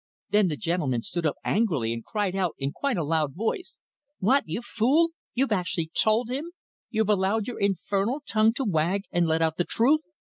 Then the gentleman stood up angrily and cried out in quite a loud voice: 'What! you fool! You've actually told him you've allowed your infernal tongue to wag and let out the truth!'